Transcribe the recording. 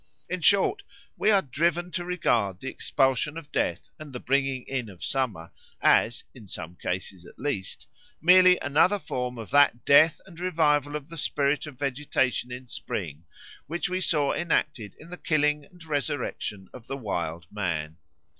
In short we are driven to regard the expulsion of Death and the bringing in of Summer as, in some cases at least, merely another form of that death and revival of the spirit of vegetation in spring which we saw enacted in the killing and resurrection of the Wild Man.